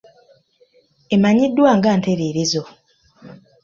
Emanyiddwa nga ntereerezo.